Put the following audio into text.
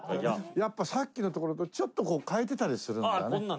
「やっぱさっきのところとちょっと変えてたりするんだね」